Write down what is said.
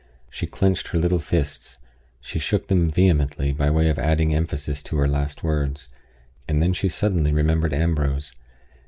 She clinched her little fists; she shook them vehemently, by way of adding emphasis to her last words; and then she suddenly remembered Ambrose.